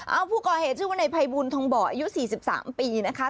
เอาผู้ก่อเหตุชื่อว่าในภัยบูลทองบ่ออายุ๔๓ปีนะคะ